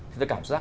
thì tôi cảm giác